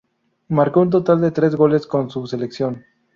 Marcó un total de tres goles con su selección.